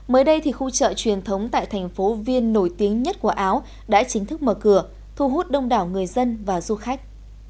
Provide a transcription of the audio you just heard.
mới đây thì khu chợ truyền thống tại thành phố viên nổi tiếng nhất của áo đã chính thức mở cửa thu hút đông đảo người dân và du khách